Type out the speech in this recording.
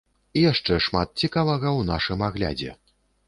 Яшчэ шмат цікавага ў нашым аглядзе.